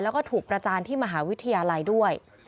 แล้วก็ถูกประจานที่มหาวิทยาลัยด้วย